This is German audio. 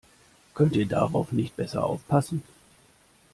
Könnt ihr darauf nicht besser aufpassen?